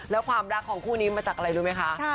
แล้วความรักของคู่นี้มาจากอะไรรู้ไหมคะ